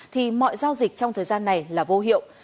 thì mọi giao dịch trong thời gian này là vô hiệu